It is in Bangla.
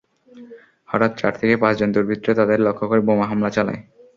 হঠাৎ চার থেকে পাঁচজন দুর্বৃত্ত তাঁদের লক্ষ্য করে বোমা হামলা চালায়।